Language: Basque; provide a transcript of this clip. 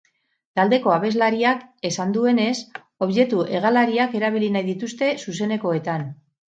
Taldeko abeslariak esan duenez, objektu hegalariak erabili nahi dituzte zuzenekoetan.